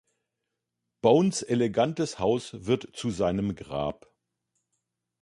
Bones’ elegantes Haus wird zu seinem Grab.